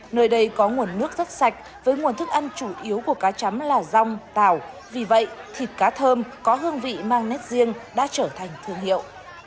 nơi đây có nguồn nước rất sạch với nguồn thức ăn chủ yếu của cá chắm là rong tảo vì vậy thịt cá thơm có hương vị mang nét riêng đã trở thành thương hiệu